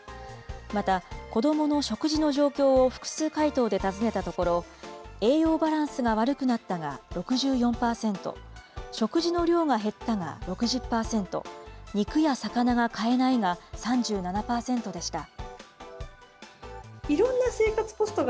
また、子どもの食事の状況を複数回答で尋ねたところ、栄養バランスが悪くなったが６４％、食事の量が減ったが６０％、肉や魚が買えないが３７％でした。